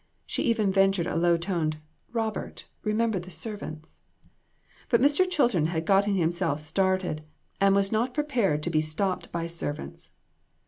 She even ventured a low toned " Robert, remember the servants." But Mr. Chilton had gotten himself started, and was not to be stopped by servants.